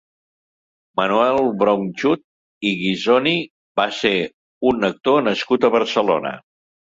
Manuel Bronchud i Guisoni va ser un actor nascut a Barcelona.